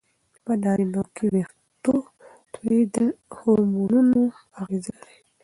په نارینه وو کې وېښتو توېیدل هورموني اغېزه لري.